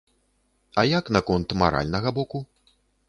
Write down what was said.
А як наконт маральнага боку?